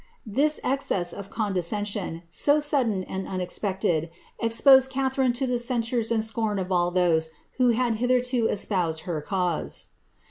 This excess of condescension, so sudden and exposed Catharine to the censures and scorn of all those therto espoused her cause.